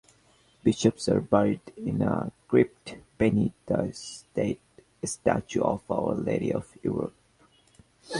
Bishops are buried in a crypt beneath the statue of Our Lady of Europe.